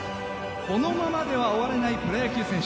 このままでは終われないプロ野球選手。